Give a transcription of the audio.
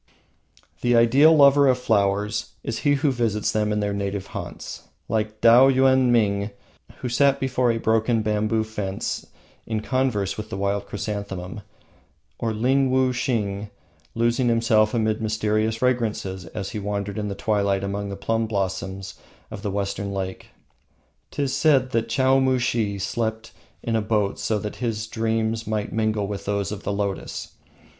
The ideal lover of flowers is he who visits them in their native haunts, like Taoyuenming [all celebrated Chinese poets and philosophers], who sat before a broken bamboo fence in converse with the wild chrysanthemum, or Linwosing, losing himself amid mysterious fragrance as he wandered in the twilight among the plum blossoms of the Western Lake. 'Tis said that Chowmushih slept in a boat so that his dreams might mingle with those of the lotus.